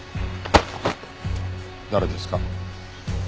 誰ですか？